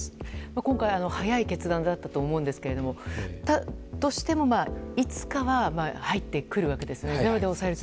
今回早い決断だったと思うんですが、だとしてもいつかは入ってくるわけですよね。